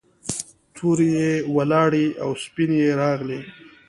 تورې یې ولاړې او سپینې یې راغلې.